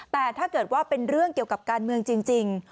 แต่ถ้าเกิดว่าเป็นเรื่องเกี่ยวกับการเมืองจริง